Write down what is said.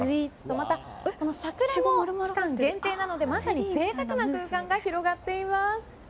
また、桜も期間限定なのでまさに贅沢な空間が広がっています。